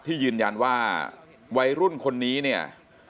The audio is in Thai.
ยืนยันว่าวัยรุ่นคนนี้เนี่ย